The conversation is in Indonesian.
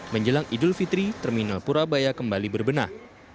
menjelang idul fitri terminal purabaya kembali berbenah